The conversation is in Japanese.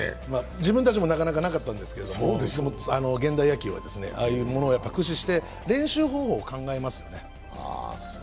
自分たちもなかなかなかったんですけど現代野球はああいうものを駆使して練習方法を考えますよね。